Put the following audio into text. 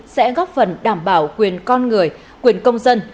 sẽ góp phần đảm bảo quyền con người quyền công dân